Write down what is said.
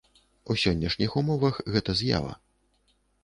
У сённяшніх умовах гэта з'ява.